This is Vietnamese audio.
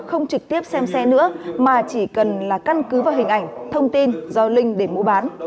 không trực tiếp xem xe nữa mà chỉ cần là căn cứ vào hình ảnh thông tin do linh để mua bán